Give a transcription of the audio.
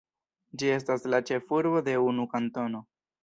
Ĝi estas la ĉefurbo de unu kantono.